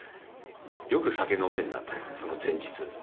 よく酒飲めるなと、その前日。